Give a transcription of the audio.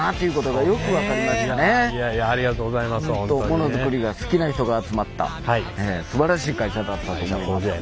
モノづくりが好きな人が集まったすばらしい会社だったと思います。